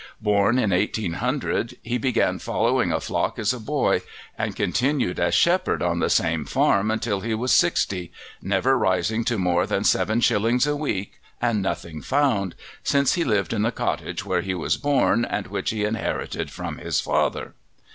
Born in 1800, he began following a flock as a boy, and continued as shepherd on the same farm until he was sixty, never rising to more than seven shillings a week and nothing found, since he lived in the cottage where he was born and which he inherited from his father.